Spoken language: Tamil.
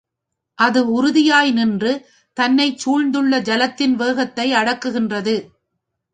அது உறுதியாய் நின்று தன்னேச் சூழ்ந்துள்ள ஜலத்தின் வேகத்தை அடக்குகின்றது.